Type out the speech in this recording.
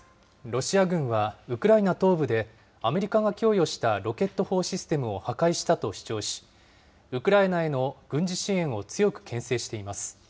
ロシア軍は、ウクライナ東部でアメリカが供与したロケット砲システムを破壊したと主張し、ウクライナへの軍事支援を強くけん制しています。